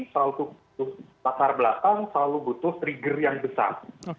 selalu butuh latar belakang selalu butuh trigger yang besar